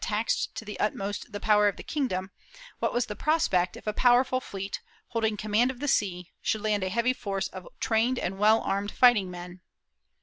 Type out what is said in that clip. Ill 25 386 MOBISCOS [Book VIII had taxed to the utmost the power of the kingdom, what was the prospect if a powerful fleet, holding command of the sea, should land a heavy force of trained and well armed fighting men?